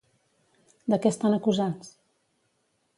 De què estan acusats?